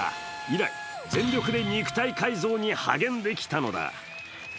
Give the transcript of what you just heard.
以来、全力で肉体改造に励んできたのだ。